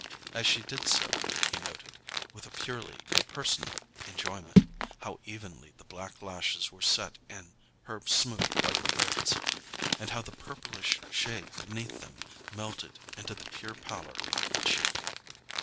As she did so, he noted, with a purely impersonal enjoyment, how evenly the black lashes were set in her smooth white lids, and how the purplish shade beneath them melted into the pure pallor of the cheek.